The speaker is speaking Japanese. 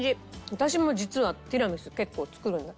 私も実はティラミス結構作るんだけども。